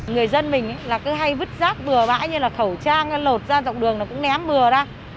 người dân mình cứ hay vứt rác vừa bãi như là khẩu trang lột ra dọc đường cũng ném vừa ra